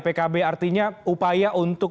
pkb artinya upaya untuk